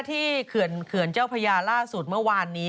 เขื่อนเจ้าพญาล่าสุดเมื่อวานนี้